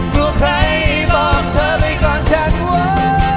กลัวใครบอกเธอไปก่อนฉัน